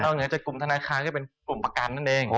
ครับนอกจากกรุมธนาคาก็เป็นกรุมประกันนั่นเอง